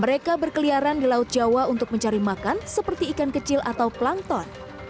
mereka berkeliaran di laut jawa untuk mencari makan seperti ikan kecil atau plankton